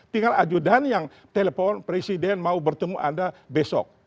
tinggal ajudan yang telepon presiden mau bertemu anda besok